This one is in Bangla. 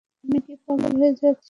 আমি কি পাগল হয়ে যাচ্ছি?